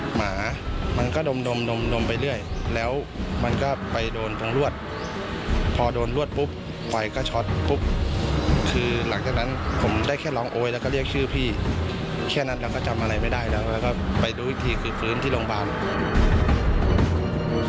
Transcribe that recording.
หลังจากนั้นผมได้แค่ร้องโอ้ยแล้วก็เรียกชื่อพี่แค่นั้นเราก็จำอะไรไม่ได้แล้วก็ไปดูอีกทีคือฝืนที่โรงพยาบาล